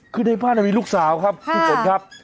คือในบ้านมีลูกสาวครับพี่ฝนครับ